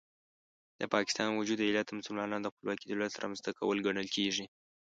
د پاکستان وجود علت د مسلمانانو د خپلواک دولت رامنځته کول ګڼل کېږي.